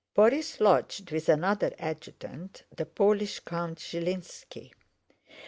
Borís lodged with another adjutant, the Polish Count Zhilínski.